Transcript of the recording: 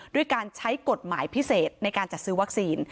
ด้วยการใช้กฎหมายพิเศษในการจัดซื้อวัคซีน